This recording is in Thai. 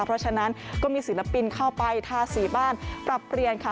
เพราะฉะนั้นก็มีศิลปินเข้าไปทาสีบ้านปรับเปลี่ยนค่ะ